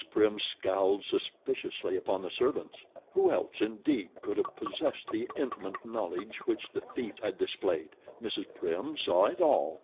Prim scowled suspiciously upon the servants. Who else, indeed, could have possessed the intimate knowledge which the thief had displayed. Mrs. Prim saw it all.